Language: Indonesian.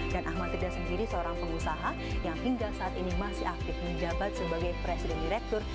dan ahmad rida sendiri seorang pengusaha yang hingga saat ini masih aktif menjabat sebagai presiden direktur